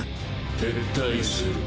撤退する。